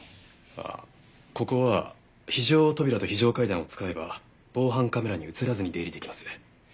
ああここは非常扉と非常階段を使えば防犯カメラに映らずに出入りできます。